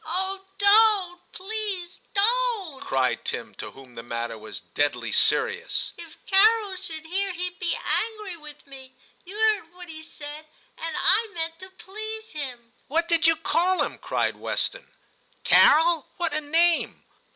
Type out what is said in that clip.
* Oh, don't, please don't !' cried Tim, to whom the matter was deadly serious. ' If Carol should hear, he'd be angry with me; you heard what he said, and I meant to please him.' * What did you call him ?' cried Weston. 'Carol "! What a name